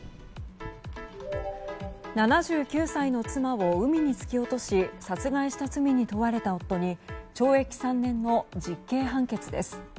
７９歳の妻を海に突き落とし殺害した罪に問われた夫に懲役３年の実刑判決です。